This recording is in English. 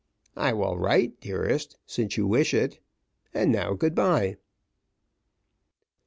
"I will write, dearest, since you wish it and now, good bye."